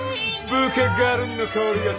ブーケガルニの香りがします。